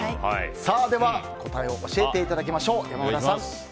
では答えを教えていただきましょう。